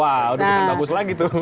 bagus lagi tuh